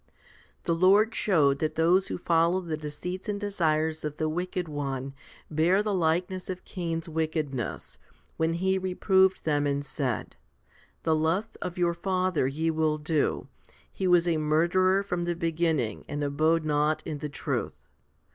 3. The Lord showed that those who follow the deceits and desires of the wicked one bear the likeness of Cain's wickedness, when He reproved them and said, The lusts of your father ye will do : he was a murderer from the begin ning and abode not in the truth?